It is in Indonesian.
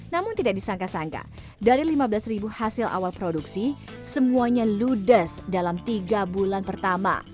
namun tidak disangka sangka dari lima belas ribu hasil awal produksi semuanya ludes dalam tiga bulan pertama